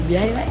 kamu ngepel nek